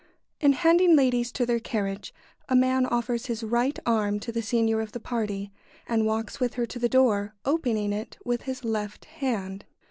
] In handing ladies to their carriage a man offers his right arm to the senior of the party and walks with her to the door, opening it with his left hand.